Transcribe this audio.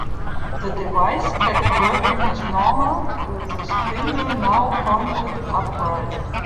The device kept working as normal, with the spindle now pointed upright.